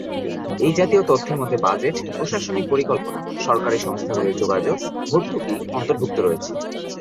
এই জাতীয় তথ্যের মধ্যে বাজেট, প্রশাসনিক পরিকল্পনা, সরকারি সংস্থাগুলির যোগাযোগ, ভর্তুকি অন্তর্ভুক্ত রয়েছে।